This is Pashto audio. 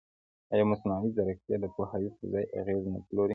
ایا مصنوعي ځیرکتیا د پوهاوي پر ځای اغېز نه پلوري؟